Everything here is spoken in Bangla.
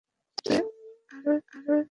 ঠিক আছে, আরো এক বার।